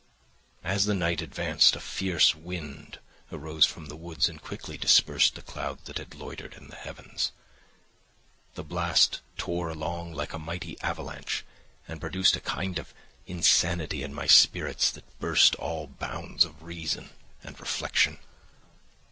"As the night advanced, a fierce wind arose from the woods and quickly dispersed the clouds that had loitered in the heavens; the blast tore along like a mighty avalanche and produced a kind of insanity in my spirits that burst all bounds of reason and reflection.